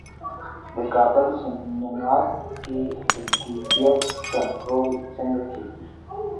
د کابل صنعت کي د کیفیت کنټرول څنګه کېږي؟